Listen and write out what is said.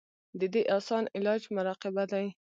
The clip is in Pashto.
د دې اسان علاج مراقبه دے -